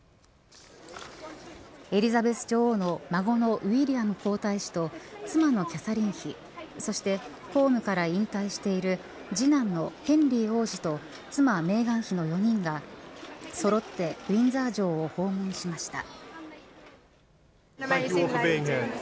エリザベス女王の孫のウィリアム皇太子と妻のキャサリン妃そして公務から引退している次男のヘンリー王子と妻メーガン妃の４人がそろってウィンザー城を訪問しました。